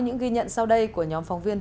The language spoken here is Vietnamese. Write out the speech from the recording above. những ghi nhận sau đây của nhóm phóng viên